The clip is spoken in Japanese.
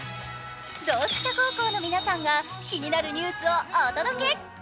同志社高校の皆さんが気になるニュースをお届け。